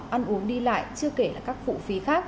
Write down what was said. ăn uống đi lại